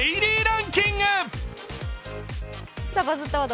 「バズったワード」